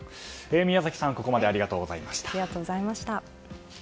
宮崎さん、ここまでありがとうございました。